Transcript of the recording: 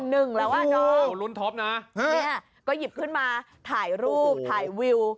ต้นก็๔๐๐๐๐แล้วน้องนี่ค่ะก็หยิบขึ้นมาถ่ายรูปถ่ายวิว